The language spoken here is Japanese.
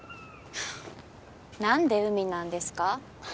なんで海なんですか？